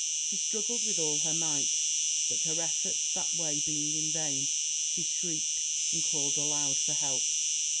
She struggled with all her might; but her efforts that way being in vain, she shrieked, and called aloud for help.